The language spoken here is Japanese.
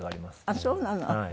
あっそうなの。